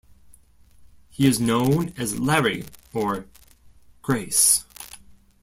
He is known as "Larry" or "Grase".